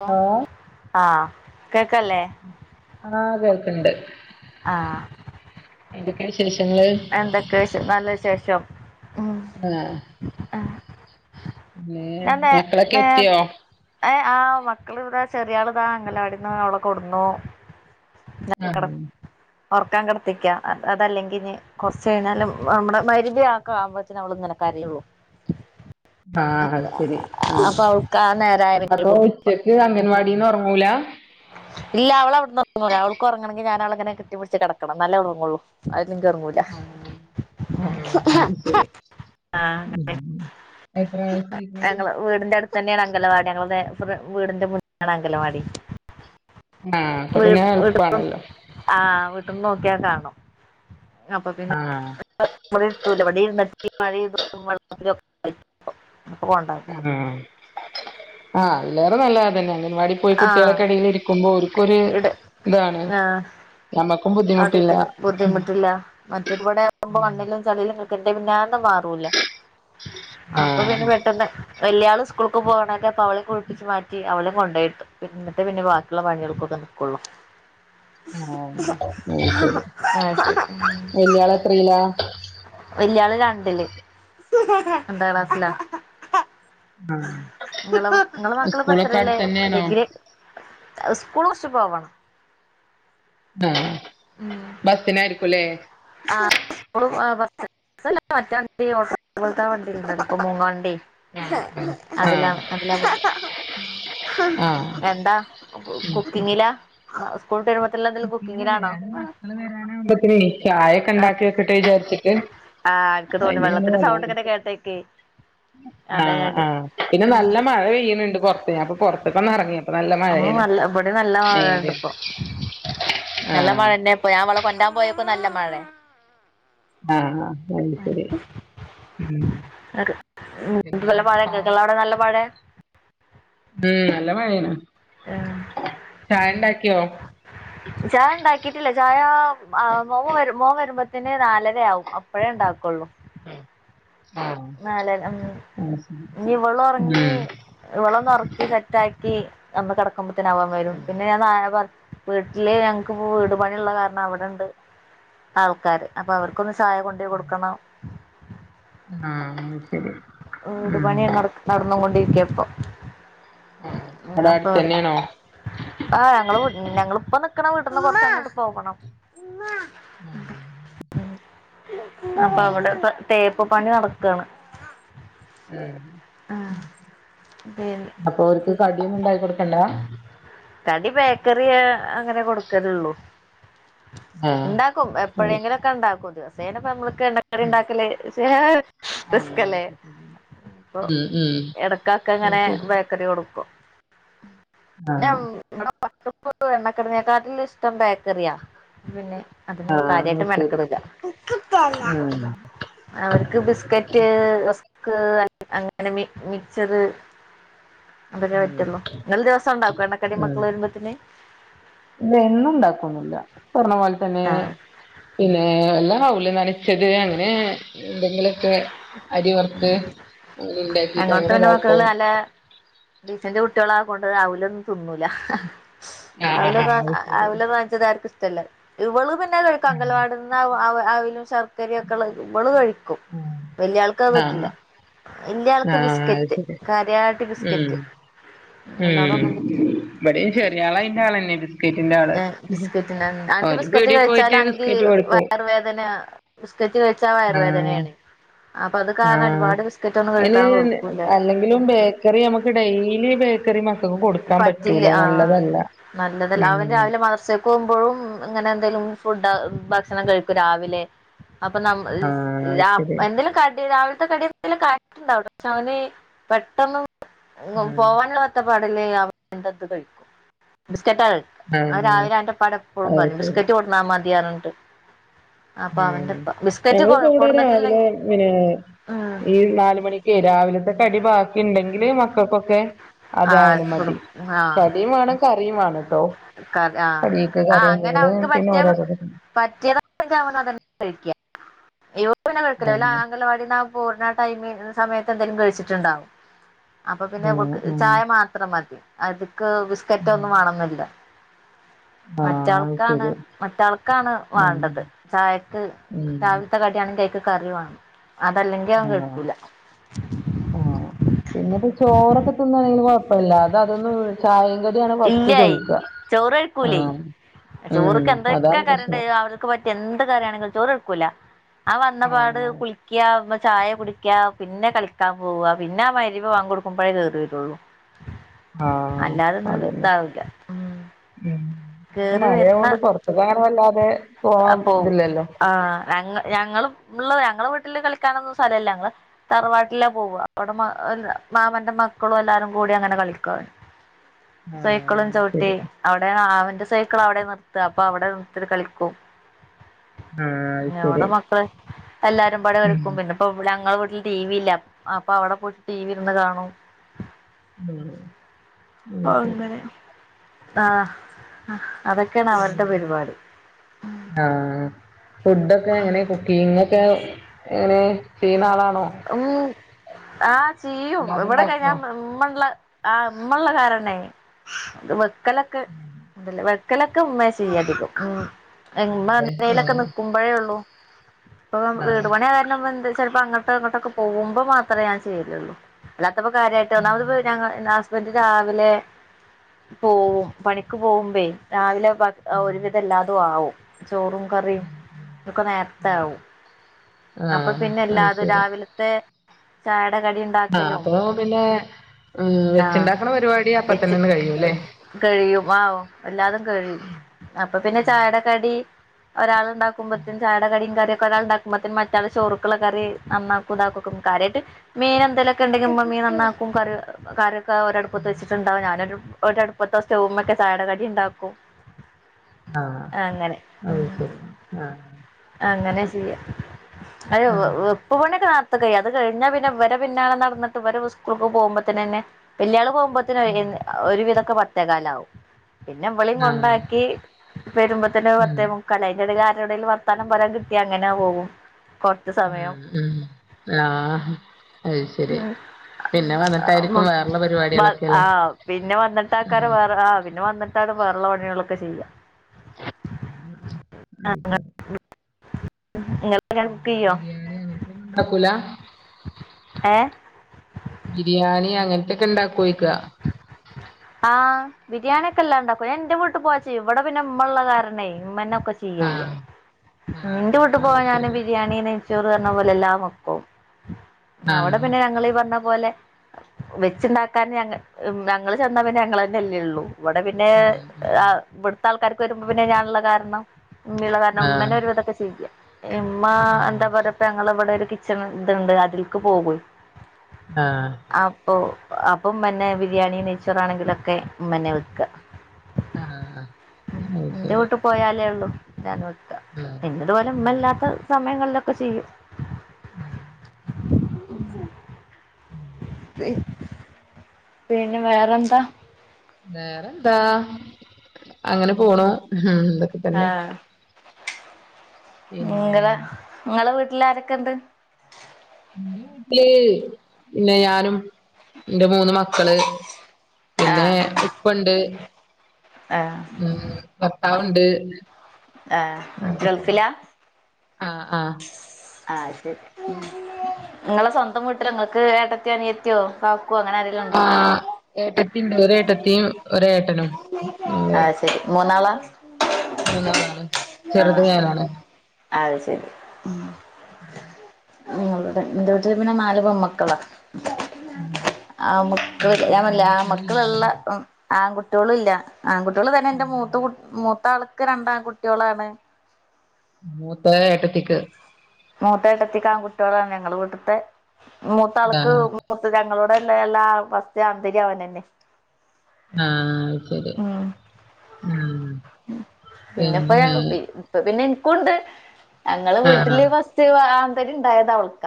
പ ഹലോ ആഹ് കേക്കല്ലേ. ആഹ് കേൾക്ണ്ട്. ആഹ്. എന്തൊക്കെ വിശേഷങ്ങള്. ക്കെശെ നല്ല വിശേഷം ഉം. ആഹ് നേ ഞാൻ നേ എക്കളൊക്കെത്ത്യോ. ഏഹ് ആഹ് മക്കള് ഇവിടതാ ചെറ്യാള്താ അങ്ങലാടിന്ന് ഓളെ കൊട്ന്നു. ആഹ് [inaudible] ഓറക്കാൻ കെട്ത്തിക്ക അത് അതല്ലെങ്കിഞ്ഞ്. കൊറച്ച് കയ്ഞ്ഞാലും മ നമ്മുടെ മയ്രിബ്യാ അക്കെ ആവുമ്പത്തിന് അവള്ങ്ങനെ കരയൊള്ളൂ. ആഹ് അത് സരി ആഹ് അപ്പൊ അവൾക്ക് ആ നേരായ പിന്നെ അപ്പോ കുറുമ്പ ഉച്ച ക്ക്‌ അംഗൻവാടീന്ന് ഒറങ്ങൂല. ഇല്ല അവളവിടുന്ന് ഒറങ്ങൂല അവൾക്കൊറങ്ങണോങ്കി ഞാനവളങ്ങനെ കെട്ടിപിടിച്ച് കെടക്കണം എന്നാലേ അവളൊറങ്ങൂളൂ അതെല്ലങ്കി ഒറങ്ങൂ ആഹ്- ആഹ് അത് ശരി ഉം എത്ര വയസായിപ്പോ ഞങ്ങളെ വീടിന്റെ അടുത്ത് തന്നെയാണ് അങ്കലവാടി ഞങ്ങള് നേ ഫ്രെ വീടിന്റെ മുന്നാണ് അങ്കലവാടി ആഹ് അപ്പം പിന്നെ എളുപ്പാണല്ലോ ആഹ് വീട്ട്ന്ന് നോക്കിയാ കാണും അപ്പൊ ആഹ് ഇവിടിരുത്തൂല ഇവിടെ ഇരുന്നിട്ട് ഈ മഴയും [inaudible] അപ്പം കൊണ്ടാക്കും ആഹ് - ആഹ് അയ്‌ലേറെ നല്ലത് അതന്നേണ് അംഗനവാടി പോയി ആ കുട്ടികളെക്കെടേല് ഇരിക്കുമ്പോ ഓര്ക്കൊരു ഇട് ഇതാണ് നമ്മക്കും ബു അവിടെത്തില്ല ബുദ്ധിമുട്ടില്ല മറ്റത് ഇവിടെ ആവുമ്പോ മണ്ണിലും [unintelligible] എന്റെ പിന്നാലേന്ന് മാറൂല്ല അപ്പൊ പിന്നെ ആഹ് പെട്ടെന്ന് വല്യാള് സ്കൂൾക്ക് പോവണെൻ്റെ ഒപ്പം അവളെ കുളിപ്പിച്ച് മാറ്റി അവളെ കൊണ്ടോയിരുത്തും എന്നിട്ടേ പിന്നെ ബാക്കിയുള്ള പണികൾക്കൊക്കെ നിക്കുള്ളൂ ആഹ് അത് ശരി വല്യാളെത്രയിലാ വല്ല്യാള് രണ്ടില് രണ്ടാംക്ലാസിലാ ആഹ് [unintelligible] നിങ്ങളെ സ്കൂളൊക്കെ മക്കളിപ്പത്രല്ലേ അടുത്തന്നെയാണോ ഡിഗ്രി അത് സ്കൂൾ കൊറച്ച് പോവണം ആഹ് ബസിനായിരിക്കുല്ലേ ആഹ് സ്‌കൂള് ആഹ് ബസ്സിൽ സ്സല്ല മറ്റേ വണ്ടി ഓട്ടോ പോലത്തെ വണ്ടിണ്ട് ഇപ്പം മൂങ്ങ വണ്ടി ആഹ് അതിലാണ് അതിലാ പോണ്ടെ ആഹ് എന്താ കുക്കിങ്ങിലാ സ്കൂളിട്ട് വരുമ്പത്തുള്ള എന്തേലും കുക്കിങ്ങിലാണോ മക്കള് വരാനാവുമ്പത്ത്നേ ചായയൊക്കെ ഉണ്ടാക്കി വെക്കിട്ട് വിചാരിച്ചിട്ട് ആഹ് എനിക്ക് തോന്നി അയിന് ഇങ്ങനെ വെള്ളത്തിന്റെ വന്നതാ സൗണ്ട് ഇങ്ങനെ കേട്ടേക്കെ ആഹ് -ആഹ് പിന്നെ നല്ല മഴ പെയ്യണണ്ട് പൊറത്ത് അപ്പൊ പൊറത്തുക്കൊന്നെറങ്ങിയപ്പം നല്ല ആഹ് മഴയാണ് നല്ല ഇവിടെ നല്ല മഴയൊണ്ട് ഏഹ് ഇപ്പോ ആഹ് മഴന്നെ ഇപ്പൊ ഞാൻ ഇവളെ കൊണ്ടരാൻ പോയപ്പം നല്ല മഴെ ആഹ് -അത്ശരി ശരി ഉം പിന്നെ നല്ല മഴെ ചായ നിങ്ങളവിടെ നല്ല മഴെ ഉം നല്ല മഴയാണ് ചായ ഉണ്ടാക്കിയോ ചായ ഉണ്ടാക്കിട്ടില്ല ചായ മോ വരു മോൻ വരുമ്പോത്തിന് നാലരയാവും അപ്പഴേ ഉണ്ടാക്കുള്ളൂ ആണോ നാലര ഉം. അത് ശരി ഉം ഇവളൊന്നൊറക്കി സെറ്റ് ആക്കി ഒന്ന് കിടക്കുമ്പത്തന് അവൻ വരും പിന്നെ ഞാൻ നാളെ പ വീട്ടില് ഞങ്ങക്കിപ്പോ വീട് പണിയുള്ള കാരണം അവിടണ്ട് ആൾക്കാര് അപ്പോ അവർക്കൊന്ന് ചായ കൊണ്ടോയി കൊടുക്കണം ആഹ് അത്ശരി വീട് പണി നടക്ക്‌ നടന്നു കൊണ്ടിരിക്കായിപ്പം ആഹ് അവിടെ അപ്പൊ അത് അടുത്തന്നെയാണോ ആഹ് ഞങ്ങള് ഞങ്ങളിപ്പം നിക്കണ വീട്ട്ന്ന് കൊറച്ചങ്ങോട്ട് പോവണം അപ്പൊ ഉം അവിടെയിപ്പം തേപ്പ് പണി നടക്കാണ് ഉം ആഹ് പിന്നെ അപ്പൊ അവർക്ക് കടിയൊന്നും ഉണ്ടാക്കി കൊടുക്കണ്ടാ കടി ബേക്കറി അങ്ങനെ കൊടുക്കലുള്ളൂ ആഹ് ഉണ്ടാക്കും അത് എപ്പോഴെങ്കിലും ശരി ഒക്കെ ഉണ്ടാക്കും ദിവസേനപ്പം നമ്മൾക്ക്‌ എണ്ണ കടി ഉം ഇണ്ടാക്കല് [unintelligible] ആഹ് റിസ്ക്കല്ലേ ഉം ഉം ഇപ്പൊ അത് എടക്കൊക്കെങ്ങനെ ശരി ബേക്കറി കൊടുക്കും പിന്നെ ആഹ് ഇവടെ മക്കക്ക് എണ്ണക്കടിനെക്കാട്ടിലുഷ്ടം ബേക്കറിയാ പിന്നെ അതിന് ആഹ് കാര്യായിട്ട് അത് ശരി മെനക്കടൂല ഉം ഉം അവർക്ക് ബിസ്ക്കറ്റ് റസ് ക്ക് അങ്ങനെ അങ്ങനെ മി മിച്ചറ് അതൊക്കെ ഉം പറ്റൊള്ളു ഇങ്ങള് ദിവസോണ്ടാക്കോ എണ്ണക്കടി മക്കള് വരുമ്പോത്തിന് ഇല്ല എന്നുണ്ടാക്കൊന്നുല്ല ഇപ്പർഞ്ഞ പോല തന്നെ ആഹ് പിന്നെ വല്ല അവിലും നനച്ചത് അങ്ങനെ എന്തെങ്കിലൊക്കെ അരി വർത്ത് ഇണ്ടാക്കീട്ടങ്ങനെതാക്കും ഡീസന്റ് കുട്ടികളാ കൊണ്ട് അവിലൊന്നും തിന്നൂല ആഹ് അവിലൊക്ക ആഹ് അത് ശരി അവില് വാ താർക്കുഷ്ടല്ല ഇവള് പിന്നെ കഴിക്കും അങ്കലാവാടിന്ന് അവ് അവ് അവിലും ശർക്കരിം ക്കള് ഇവള് കഴിക്കും വല്യാൾക്കത് പറ്റില്ല ആഹ് വല്ല്യാൾക്ക് ആഹ് അത് ബിസ്കറ്റ് ശരി കര്യായിട്ട് ഉം ബിസ്കറ്റ് ഉം ഇവെടിം ചെറിയാളയ്ന്റെ ആളന്നെ ബിസ്കറ്റിന്റെ ആള് ബിസ്ക്കറ്റിന് ഉം അനക്ക് ഓന് ബിസ്ക്കറ്റ് പീടിയെ പോയിട്ട് കയിച്ചാലാണെങ്കി ബിസ്ക്കറ്റ് കൊടുക്കും വയറ് വേദന ബിസ്കറ്റ് കയിച്ചാ വയറ് ആഹ് വേദനേണ് ആഹ് ഒന്നും അയ്ന് കഴിക്കാൻ കൊടുക്കൂല്ല അല്ലെങ്കിലും ബേക്കറി നമക്ക് ഡെയ്ലി ബേക്കറി മക്ക ൾക്ക് കൊട്ക്കാൻ പറ്റൂല പറ്റില്ല ആഹ് നല്ലതല്ല ഉം കോവുമ്പഴും ഇങ്ങനെന്തേലും ഫുഡ് ഭക്ഷണം കഴിക്കും രാവിലെ അപ്പൊ നമ്മ ഇ ആഹ് രാ ശരി എന്തേലും കടി രാവിൽത്തെ കടി എന്തേലും ഒക്കെ ആയിട്ടുണ്ടാവും പക്ഷെവന് പെട്ടന്ന് ആഹ് പോവാനുള്ള ബത്തപ്പാടില് അവൻ തത് കഴിക്കും ബിസ്ക്കറ്റാ അവൻ ആഹ് രാവിലെ ഓൻ്റെപ്പാടെപ്പഴും അത് പറയും ശരി ബിസ്കറ്റ് കൊടുന്നാ മതി പർഞ്ഞിട്ട് ഉം ഞങ്ങളിപ്പൊവടെ രാവിലെ കൊടുന്നിട്ടില്ലെങ്കിൽ പിന്നെ ഉം ഈ നാല് മണി ക്ക് രാവിലത്തെ കടി ബാക്കിണ്ടെങ്കില് മക്കക്കൊക്കെ ആഹ് അതായാലും കൊടു മതി ആഹ് കടിം വേണം കറിം വേണട്ടോ കറി ആഹ് കടീക്ക് ആഹ് അങ്ങനെ കറിണ്ടെങ്കില് അവൻക്ക് പിന്നെ പറ്റിയ ഓരാവ പറ്റിയതാണെങ്കി അവനതന്നെ കഴിക്കാ ഇവൻ പിന്നെ കഴിക്കൂല ഓലാ ആഹ് അംഗങ്കലവാടീന്നാ പോര്ണ ടൈമി സമയത്തെന്തായാലും കഴിച്ചിട്ട്ണ്ടാവും അപ്പൊ പിന്നെ അവക്ക് ഉം ഉം ചായ മാത്രം മതി അത്ക്ക് ബിസ്കറ്റൊന്നും വാണന്നില്ല ആഹ് അത് മറ്റാൾക്കാണ് ശരി മറ്റാൾക്കാണ് ഉം വാണ്ടത് ചായക്ക് ത്തെ ഉം കടി ആണെങ്കിൽ അയ്ക്ക് കറി വേണം അതല്ലെങ്കി അവൻ ആഹ് കഴിക്കൂല ആഹ് പിന്നെപ്പ ചോറൊക്കെ തിന്നാണെങ്കിൽ കൊഴ പ്പല്ല അത് അതൊന്ന് ചായേം കടിയാണ് ഫസ്റ്റ് ഇല്ലേയ് ചോദിക്കാ ചോറ് കഴിക്കൂലേയ് ആഹ് ഉം ചോറ്ക്ക് എന്തൊക്കെ അതാണ് കറി പ്രശ്നം ഇണ്ടേലും അവർ ക്ക് പറ്റിയ എന്ത് കാറിയാണെങ്കിലും ചോറ് കഴിക്കൂല ആ വന്നപാട് ആഹ് കുളിക്കാ ചായ കുടി ക്കാ പിന്നെ കളിക്കാൻ പോവാ പിന്നാ മഗ്രിബ് ബാങ്ക് കൊടുക്കുമ്പഴേ കേറി വരുള്ളൂ ആഹ് അല്ലാതൊന്നും അതന്നെ ഇതാവില്ല ഉം ഉം പ്പൊ കേറി വരുന്ന മഴയായോണ്ട് പോർത്തിക്കങ്ങനെ വല്ലാതെ പോവാൻ പോവും ഇതില്ലല്ലോ? ആഹ് ഞങ്ങ ഞങ്ങളും ഉള്ള ഞങ്ങളെ വീട്ടിൽ കളിക്കാനൊന്നും സ്ഥലല്ല ഞങ്ങള് തറവാട്ടില പോവ അവിടെ മാമന്റെ മക്കളും എല്ലാരും കൂടി അങ്ങനെ കളിക്കും. ക്കും ആഹ് സൈക്കളും അത് ചൗട്ടി ശരി അവിടെ അവന്റെ സൈക്കിൾ അവിടെ നിർത്ത അപ്പൊ അവിടെ നിർത്തിട്ട് കളിക്കും. ആഹ് അത് അവ്ടെ ശരി മക്കള് എല്ലാരും പാടെ ഉം കളിക്കും പിന്നെ അപ്പ ഇവിടെ ഞങ്ങളെ വീട്ടില് ടി വി ഇല്ല. അപ്പ അവിടെ പോയിട്ട് ടി വി ഇരുന്ന് കാണും. ഉം. ഓ അത് ശരി ഇന്നലെ. ആ അതൊക്കേണ് അവരുടെ പരിപാടി. ആ ഫുഡൊക്കെ എങ്ങനെ? കുക്കിംഗ് ഒക്കെ എങ്ങനെ? ചെയ്ണ ആളാണോ? ഉം. ആ ചെയ്യും. അല്ലാതെ ഇവിടൊക്കെ ഇണ്ടാക്കോ ഞാൻ മാ ഇമ്മള്ള ആ ഇമ്മള്ള കാരണെ അത് വെക്കലൊക്കെ എന്തല്ല [unintelligible] ക്കലൊക്കെ ഉമ്മെ ചെയ്യധികം. ഇമ്മ അതെല്ലേ എങ്ങനേലൊക്കെ ഏഹ് നിക്കും. പ്പഴേ ഒള്ളു. ഇപ്പൊ വീട് ആഹ് പണിയായ കാരണം എന്തെ ചെൽപം അങ്ങൻ അങ്ങട്ടൊ ഇങ്ങട്ടൊക്കെ പോകുമ്പം മാത്രേ ഞാ ചെയ്യലൊള്ളു. അല്ലാത്തപ്പം കാര്യായിട്ട് ഒന്നാമത് ആഹ് ഇപ്പ ഞങ്ങള് നാസ്. പ്പന്റ് രാവിലെ പോവും. പണിക്ക് പോവുമ്പെ രാവിലെ. ഇപ്പ ആഹ്, ഒരുവിധം എല്ലാതും ആവും, ചോറും. ക്കറിം, ആഹ് ആഹ് ഇതൊക്കെ നേര്ത്താവും. ആഹ് ആഹ് അപ്പപിന്നെ അത് എല്ലാതും. ശരി ലത്തെ ചായടെ കടിം. ആഹ്. അപ്പൊ പിന്നെ അ വെച്ച് ആഹ് ഇണ്ടാക്ക്ണ പരിപാടി വെച്ച് അപ്പത്തന്നെന്ന് കഴിയുല്ലെ. കഴിയും. ആവ് എല്ലാതും കഴിയും. അപ്പ പിന്നെ ചായെടെ കടി ഒരാള്. ഇണ്ടാക്കുമ്പത്തിന് ചയടെ കടിം, കറിയെക്കെ ഒരാള് ഇണ്ടാക്കുമ്പത്തിന്. മറ്റെ ആള് ചോറ്ക്ക്ള്ള കറി. നന്നാക്കും, ഇതാക്കും. കാര്യായിട്ട് മീനെന്തെയിലൊക്കെണ്ടെങ്കില് മീൻ നന്നാക്കും കറിഎട് കറിയ ക്കാ ഒരടുപ്പത്ത് വെച്ചിട്ട് ഇണ്ടാവും. ഞാനൊരു ഒര് അട്പ്പത്തൊ സറ്റൗമ ക്കെ ചായകടി ഇണ്ടാക്കും. ആഹ്. അഹ് ശെരി. ആഹ്. അങ്ങനെ ചെയ്യ. അഹ് ആഹ് വെപ്പ് പണ്യാെക്കെ നേർ ത് കയ്യ. അത് കഴിഞ്ഞാ പിന്നെ ഇവരെ പിന്നാലെ നടന്നിട്ട്. ഇവരെ സ്കൂൾക്ക് പോകുമ്പത്തിനെന്നെ വല്യാള് പോവുമ്പേ ത്തിനൊയിൻ ഒരുവിധൊക്കെ പത്തേക്കാ ലാവും. പിന്നെ, ഇവളിം ആഹ് കൊണ്ടാക്കി. വെരുമ്പത്തെന്നെ ഉം പത്തേമുക്കാലായി. അയ്ന്റെടേല് ആരോടേലും വർത്താനം പറയാൻ കിട്ട്യാ അങ്ങനൊ പോകും. കൊറച്ച് സമയം അഹ്. അ. ആഹ്, അയ് ശെരി. ആഹ്. ആ. പിന്നെ വന്നിട്ടെക്കാരം. ഉം വേറെ ആഹ് വി. പിന്നെ വന്നിട്ടാണ് വേറള്ള പണികളൊക്കെ ചെയ്യ. [inaudible] ഇങ്ങൾക്ക് ഹെൽപെയ്യോ? ബിരിയാണി അങ്ങനത്തൊന്നും ഉണ്ടാക്കൂല ഏഹ്. ബിരിയാണി അങ്ങൻത്തൊക്കെ ഇണ്ടാക്കോയ്ക്കാ. [inaudible] ആഹ്. ബിരിയാണിക്കല്ലാം ഇണ്ടാക്കും. ഞാ ഇന്റെ വീട്ട് പോയാ ചെയ്യും. ഇവടെ പിന്നെ മ്മള്ള കാര്നെ, ഇമ്മന്നെക്കെ ചെയ്യും. ഇയ്യയ്യാ. ആഹ് ഇന്റെ വീട്ട് ആഹ് പോയാ അത് ഞാന് ശരി ബിരിയാ ണീ നെയച്ചോറ് അർന്നഞ്ഞ പോലെ എല്ലാം വെക്കും. അവടെ ആഹ് പിന്നെ ഞങ്ങളീ പർഞ്ഞ പോലെ. വെച്ച്ണ്ടാക്കാന്. ഞങ്ങ ഞങ്ങള് ചെന്നാ പിന്നെ, ഞങ്ങളെന്നെല്ലേ ള്ളൂ. ഇവടെ പിന്നെ.. ഉം ഉം അഹ് ഇവിട്ത്താൾക്കാർക്ക് വരുമ്പോ പിന്നെ, ഞാൻ ഇള്ള കാരണം. ഇമ്മിള്ള കാരണം ' ഉമ്മന്നെ ആഹ് ഒരു വിതൊക്കെ ചെയ്യാ. ഇമ്മാ ആഹ് എന്താ പറ്യ ഇപ്പ ഞങ്ങള ഇവടെ ഒരു കിച്ച്ണ് ത്ണ്ട് അതിൽക്ക് പോകെയ്. ആഹ്. അപ്പൊ, അപ്പൊ ഇമ്മന്നെ, ബിരിയാണി, നെയ്ച്ചോറാണെങ്കിലൊക്കെ ഇമ്മന്നെ വെക്കാ. ആഹ്, സ സ്റ്റഹ് ശെരി. പോയാലെ ഒള്ളൂ ഞാൻവെക്കാ. പിന്നെ ഇതുപോലെ ഉം ഇമ്മല്ലാത്ത സമയങ്ങളിലൊക്കെ ചെയ്യും. ആഹ് പിന്നെ. വേറെന്താ? വേറെന്താ. അങ്ങനെ പോണു. ഉം. ഇതെക്കെ തെന്നെ. [unintelligible] പിന്നെ ഇങ്ങളെ വീട്ട്ലാരെക്കെ ണ്ട്? ഇൻ്റെ വീട്ട്‌ല് പിന്നെ ഞാനും ഇന്റെ മൂന്ന് മക്കള്. പിന്നെ ആഹ് ഉപ്പണ്ട്. ആഹ് ഉം ഭർത്താവ്ണ്ട്. ആഹ് ഗൾഫിലാ? ആഹ് ആഹ്. ആഹ് ശെരി. ഇങ്ങളെ സ്വന്തം വീട്ടിലാ ഇങ്ങക്ക് ഏട്ടത്തി അനിയത്ത്യോ, കാക്കോ, അങ്ങനാരെ ആഹ് ഏട്ടത്തിണ്ട്. ഒരേട്ടത്തിം ഒരേട്ടനും. ഞങ്ങള് അയ് ശെരി മൂന്നാളാ. മൂന്നാളാണ് ചെറുത് ആഹ്. ഞാനാണ് അയ് ശെരി ഉം ഇങ്ങളുടെ ഇന്റെ വീട്ടില് പിന്നെ നാല് പെമ്മക്കളാ. ആഹ് അത് ആമ്മക്കള്ല്ല ശരി ഞാം പർഞ്ഞ്ലെ ആൺകുട്ടികളില്ലാല്ലേ ആമ്മകള്ള്ളെ അഹ് ആൺകുട്ട്യേള്ല്ല. ആൺകുട്ട്യേള് തെന്നെ ഇൻ്റെ മൂത്ത കു മൂത്താൾക്ക് രണ്ടാൺ കുട്ട്യേളാണ്. മൂത്ത ഏട്ടത്തിക്ക്. മൂത്തേട്ടത്തിക്കാൺ കുട്ട്യേളാണ് ഞങ്ങള് വീട്ട്ത്തെ മൂത്താൾക്ക് ആഹ് മുത്ത് തങ്ങളോടെനെ എല്ലാ ഫസ്റ്റ് ആൺ തെര്യാണെന്നെ ആഹ് ശെരി. ഉം പിന്നെപ്പൊ ഞങ്ങക്കൊക്കി ഇപ്പ പിന്നെ ഇൻക്കുണ്ട് അങ്ങളെ ആഹ് വീട്ടില് ഫസ് റ്റ് ആൺ തരിണ്ടായത് അവൾക്ക.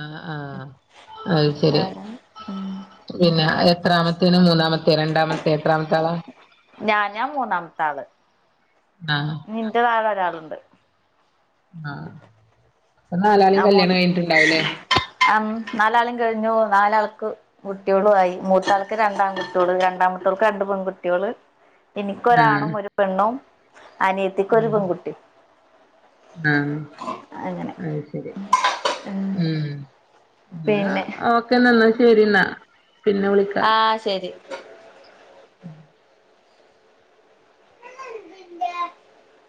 ആഹ് ആഹ് അത് ശെരി. ആഹ് ഉം പിന്നെ എത്രാമത്തെയ്ന് മൂന്നാമ ത്തെ രണ്ടാമത്തെ എത്രാമത്താളാ? ഞാ ഞാ മൂന്നാമത്താള്. ആഹ് ഞ്ൻ്റെ താഴെ ഒരാള്ണ്ട്. ആഹ് പ്പ നാലാളിം കല്യാണം കഴിഞ്ഞ്ട്ട്ണ്ടാവൂല്ലേ. ആം നാലാളിം കഴിഞ്ഞു നാലാൾക്ക് കുട്ട്യേളു ആയി. മൂത്താൾക്ക് രണ്ടാംകുട്ട്യേള് രണ്ടാം മത്തോൾക്ക് രണ്ട് പെൺകുട്ട്യേള്. ആഹ് എനിക്കൊരാണും ഒരു പെണ്ണും അനിയത്തിക്കൊര് ഉം പെൺകുട്ടി. ആഹ് അങ്ങനെ അയ് ശെരി. ഉം എന്ന പിന്നെ ഓക്കെന്ന ന്നാ ശെരിന്നാ പിന്നെ വിളി ആഹ് ശെരി. ഉം എന്ത